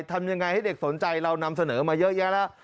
ทำยังไงให้เด็กสนใจเรานำเสนอมาเยอะแยะแล้ว